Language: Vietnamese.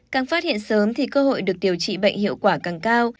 càng phát hiện sớm thì cơ hội được điều trị bệnh hiệu quả càng cao